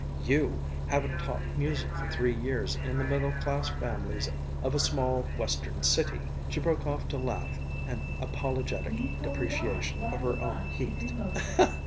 You haven't taught music for three years in the middle class families of a small Western city!" She broke off to laugh an apologetic depreciation of her own heat.